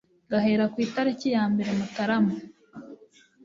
gahera ku itariki ya mbere Mutarama